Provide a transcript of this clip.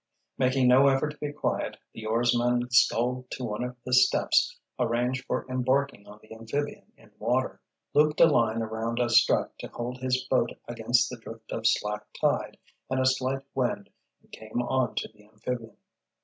Making no effort to be quiet, the oarsman sculled to one of the steps arranged for embarking on the amphibian in water, looped a line around a strut to hold his boat against the drift of slack tide and a slight wind, and came onto the amphibian.